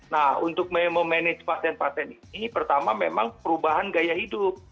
nah untuk memanage pasien pasien ini pertama memang perubahan gaya hidup